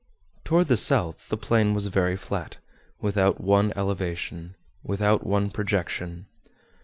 Toward the south, the plain was very flat, without one elevation, without one projection.